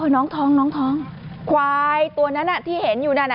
น้องท้องน้องท้องควายตัวนั้นที่เห็นอยู่นั่น